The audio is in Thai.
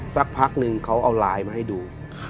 สักพักนึงเขาเอาไลน์มาให้ดู